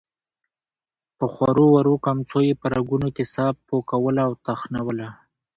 په خورو ورو کمڅو يې په رګونو کې ساه پوکوله او تخنوله.